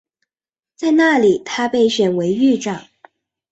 在那里他被选为狱长。